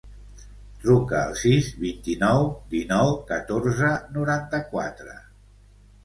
Truca al sis, vint-i-nou, dinou, catorze, noranta-quatre.